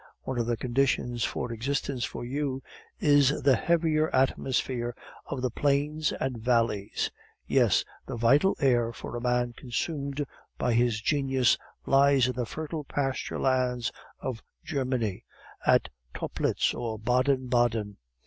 One of the conditions for existence for you is the heavier atmosphere of the plains and valleys. Yes, the vital air for a man consumed by his genius lies in the fertile pasture lands of Germany, at Toplitz or Baden Baden.